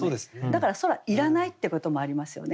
だから空いらないってこともありますよね。